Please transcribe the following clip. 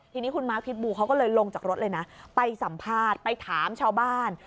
ทีนี้คุณมาร์คพิษบูเขาก็เลยลงจากรถเลยนะไปสัมภาษณ์ไปถามชาวบ้าน